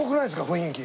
雰囲気。